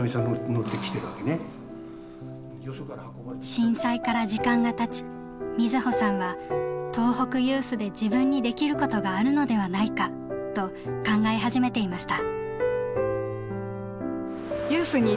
震災から時間がたち瑞穂さんは東北ユースで自分にできることがあるのではないかと考え始めていました。